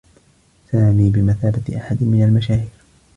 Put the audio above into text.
سامي بمثابة أحد من المشاهير.